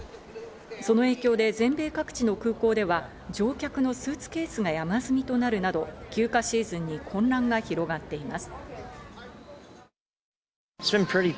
その影響で全米各地の空港では乗客のスーツケースが山積みとなるなど、休暇シーズンに混乱が広がっています。